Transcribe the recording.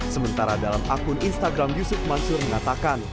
sementara dalam akun instagram yusuf mansur mengatakan